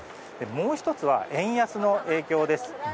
もう１つは円安の影響です。